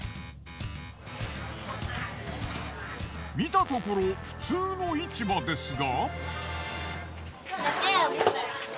見たところ普通の市場ですが。